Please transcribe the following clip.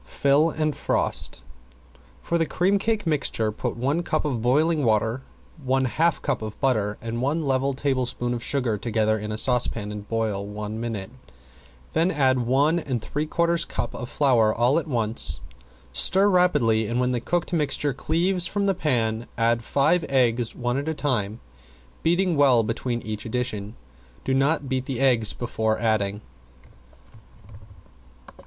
Fill and frost. For the cream cake mixture put one cup of boiling water, one half cup of butter and one level tablespoon of sugar together in a saucepan and boil one minute, then add one and three quarters cups of flour all at once. Stir rapidly and when the cooked mixture cleaves from the pan add five eggs one at a time, beating well between each addition. Do not beat the eggs before adding.